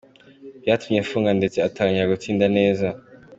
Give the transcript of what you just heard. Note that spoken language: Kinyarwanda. Byatumye afunguka ndetse atangira gutsinda neza.